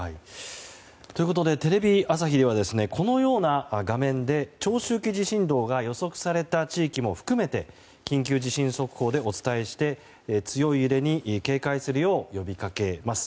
ということでテレビ朝日ではこのような画面で長周期地震動が予測された地域も含めて緊急地震速報でお伝えして強い揺れに警戒するよう呼びかけます。